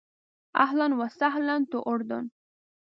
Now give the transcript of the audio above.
اهلاً و سهلاً ټو اردن.